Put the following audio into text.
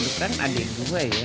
ini kan adik gua ya